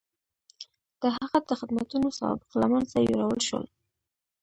د هغه د خدمتونو سوابق له منځه یووړل شول.